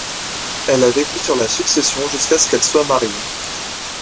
Elle a vécu sur la succession jusqu'à ce qu'elle soit mariée.